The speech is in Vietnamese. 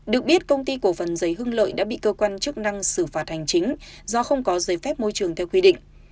được biết công ty cổ phần giấy hưng lợi đã bị cơ quan chức năng xử phạt hành chính do không có giấy phép môi trường theo quy định